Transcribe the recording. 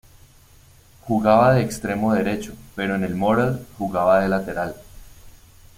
Jugaba de extremo derecho, pero en el Morell, jugaba de lateral.